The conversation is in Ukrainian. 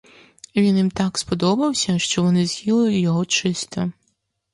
Він так їм сподобався, що вони з'їли його чисто.